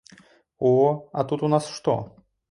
О, а тут у нас што?